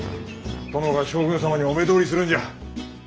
殿が将軍様にお目通りするんじゃ。